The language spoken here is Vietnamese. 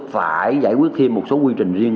phải giải quyết thêm một số quy trình riêng